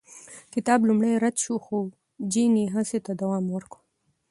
کتاب لومړی رد شو، خو جین یې هڅې ته دوام ورکړ.